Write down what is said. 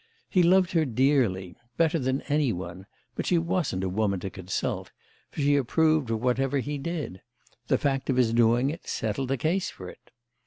He loved her dearly, better than any one; but she wasn't a woman to consult, for she approved of whatever he did: the fact of his doing it settled the case for it.